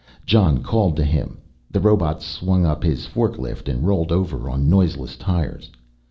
Jon called to him, the robot swung up his forklift and rolled over on noiseless tires.